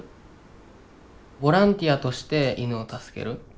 ボランティアとして犬を助ける。